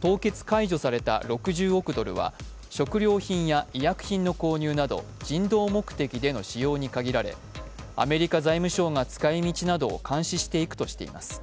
凍結解除された６０億ドルは食料品や医薬品の購入など人道目的での使用に限られアメリカ財務省が使いみちなどを監視していくとしています。